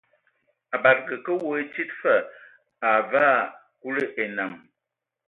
A bade ka we tsid fa, a vaa Kulu enam.